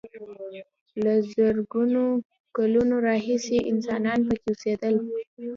له زرګونو کالونو راهیسې انسانان پکې اوسېدل.